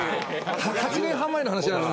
８年半前の話なんで。